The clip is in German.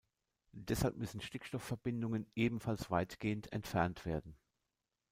Deshalb müssen Stickstoffverbindungen ebenfalls weitgehend entfernt werden.